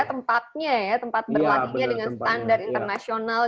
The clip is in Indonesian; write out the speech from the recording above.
tempatnya ya tempat berlatihnya dengan standar internasional